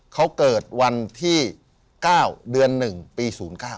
เขาเกิดวันที่๙เดือน๑ปี๐๙